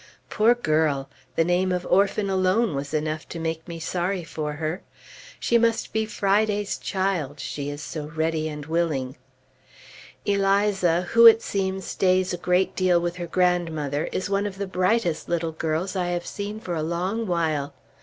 Poor girl! the name of orphan alone was enough to make me sorry for her. She must be "Friday's child"! she is so "ready and willing." Eliza, who it seems stays a great deal with her grandmother, is one of the brightest little girls I have seen for a long while.